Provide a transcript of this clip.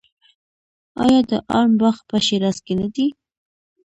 آیا د ارم باغ په شیراز کې نه دی؟